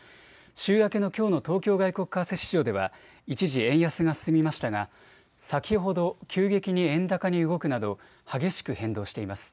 週明けのきょうの東京外国為替市場では一時、円安が進みましたが先ほど急激に円高に動くなど激しく変動しています。